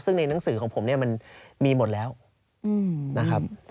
ซึ่งในหนังสือของผมเนี่ยมันมีหมดแล้วนะครับ